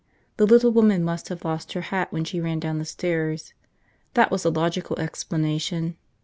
The little woman must have lost her hat when she ran down the stairs. That was the logical explanation.